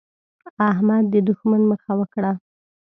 احمد د دوښمن مخه وکړه.